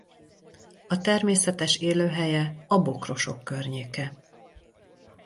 A természetes élőhelye a bokrosok környéke.